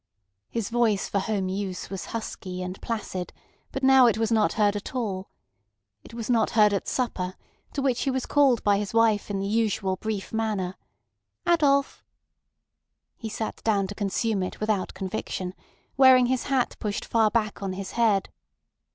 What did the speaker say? His voice for home use was husky and placid, but now it was heard not at all. It was not heard at supper, to which he was called by his wife in the usual brief manner: "Adolf." He sat down to consume it without conviction, wearing his hat pushed far back on his head.